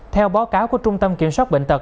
theo báo cáo của trung tâm kiểm soát bệnh tật